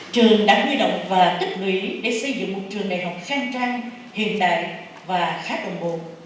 trường đã quy động và tích lũy để xây dựng một trường đại học khang trang hiện đại và khá đồng bộ